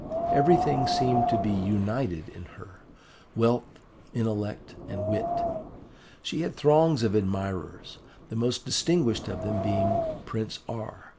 Everything seemed to be united in her, wealth, intellect, and wit. She had throngs of admirers, the most distinguished of them being Prince R.